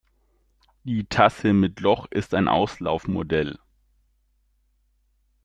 Die Tasse mit Loch ist ein Auslaufmodell.